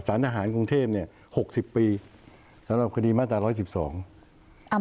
สถานทหารกรุงเทพฯเนี่ย๖๐ปีสำหรับคดีมาตรา๑๑๒